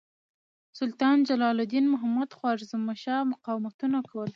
سلطان جلال الدین محمد خوارزمشاه مقاومتونه کول.